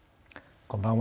こんばんは。